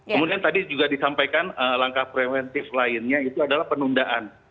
kemudian tadi juga disampaikan langkah preventif lainnya itu adalah penundaan